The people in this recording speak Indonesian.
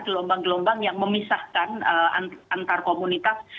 gelombang gelombang yang memisahkan antar komunitas